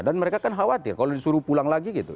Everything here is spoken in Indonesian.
dan mereka kan khawatir kalau disuruh pulang lagi gitu